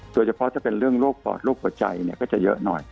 โดยเฉพาะจะเป็นเรื่องโรคปอดโรคหัวใจก็จะเยอะหน่อย